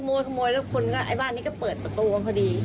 ขจมอยแล้วคุณ่าไอบ้านนี่ก็เปิดประตูนะพอดี